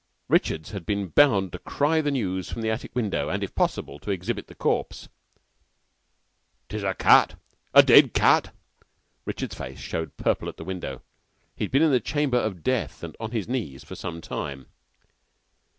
Richards had been bound to cry the news from the attic window, and, if possible, to exhibit the corpse. "'Tis a cat, a dead cat!" Richards's face showed purple at the window. He had been in the chamber of death and on his knees for some time.